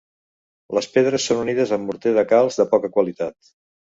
Les pedres són unides amb morter de calç de poca qualitat.